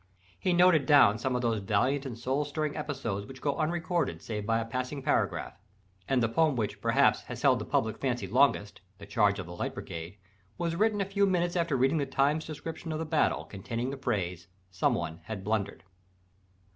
He noted down some of those valiant and soul stirring episodes which go unrecorded save by a passing paragraph: and the poem which, perhaps, has held the public fancy longest, the Charge of the Light Brigade, was written a few minutes after reading the Times' description of the battle containing the phrase "Someone had blundered."